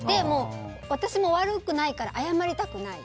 私も悪くないから謝りたくない。